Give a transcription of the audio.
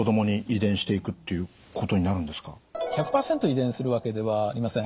１００％遺伝するわけではありません。